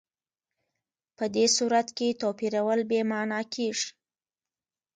په دې صورت کې توپیرول بې معنا کېږي.